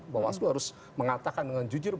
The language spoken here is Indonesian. bawah selu harus mengatakan dengan benar benar terima kasih